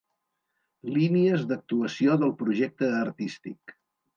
Línies d'actuació del projecte artístic.